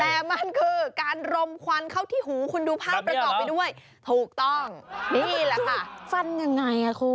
แต่มันคือการรมควันเข้าที่หูคุณดูภาพประกอบไปด้วยถูกต้องนี่แหละค่ะฟันยังไงอ่ะคุณ